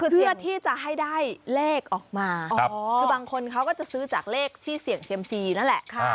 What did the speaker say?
เพื่อที่จะให้ได้เลขออกมาคือบางคนเขาก็จะซื้อจากเลขที่เสี่ยงเซียมซีนั่นแหละ